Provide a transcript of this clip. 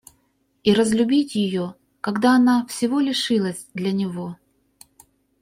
И разлюбить ее, когда она всего лишилась для него!